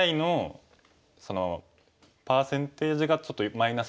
ＡＩのパーセンテージがちょっと−４